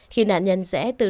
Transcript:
khi nạn nhân rẽ từ đường tân long